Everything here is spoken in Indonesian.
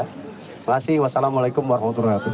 terima kasih wassalamualaikum warahmatullahi wabarakatuh